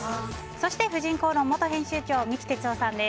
そして「婦人公論」元編集長三木哲男さんです。